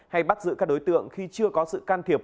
hay bắt giữ các đối tượng khi chưa có sự can thiệp